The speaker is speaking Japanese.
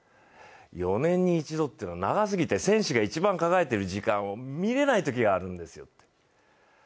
４年に一度っていうのは長すぎて選手が一番輝いてる時間を見れないときがあるんですよって。